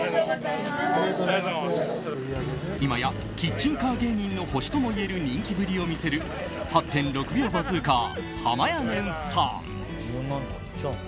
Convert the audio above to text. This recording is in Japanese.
今や、キッチンカー芸人の星ともいえる人気ぶりを見せる８．６秒バズーカーはまやねんさん。